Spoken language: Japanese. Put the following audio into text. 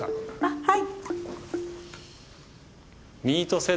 はい。